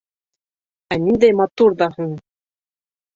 Ә ниндәй матур ҙа һуң!